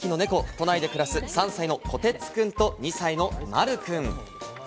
都内で暮らす、３歳のコテツくんと２歳のまるくん。